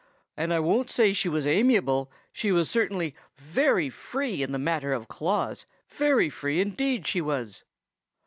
And I don't say she was amiable, and she was certainly very free in the matter of claws; very free, indeed, she was!"